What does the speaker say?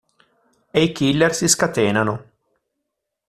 E i killer si scatenano.